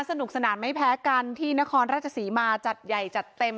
สนุกสนานไม่แพ้กันที่นครราชศรีมาจัดใหญ่จัดเต็ม